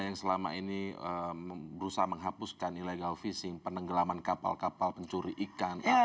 yang selama ini berusaha menghapuskan illegal fishing penenggelaman kapal kapal pencuri ikan